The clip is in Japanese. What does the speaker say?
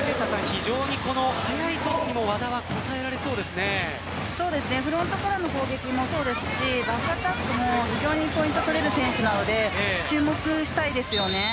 非常に速いトスにもフロントからの攻撃もそうですしバックアタックも非常にポイントを取れる選手なので注目したいですね。